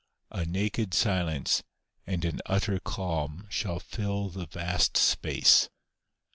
A naked silence and an utter calm shall fill the vast space.